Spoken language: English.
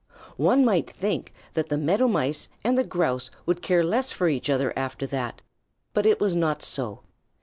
One might think that the Meadow Mice and the Grouse would care less for each other after that, but it was not so.